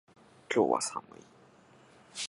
今日は寒い